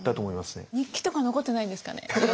日記とか残ってないんですかね？